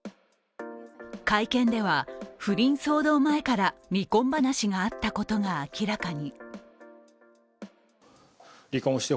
会見では、不倫騒動前から離婚話があったことが明らかに。